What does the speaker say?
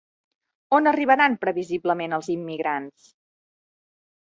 On arribaran previsiblement els immigrants?